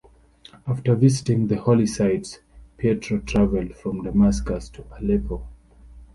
After visiting the holy sites, Pietro traveled from Damascus to Aleppo.